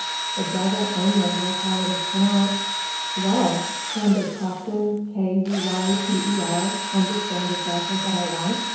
The devil only knows how it is pronounced." "Well! And does Captain K U Y P E R understand exactly what I want?"